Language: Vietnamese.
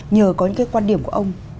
nhờ có những cái quan điểm của ông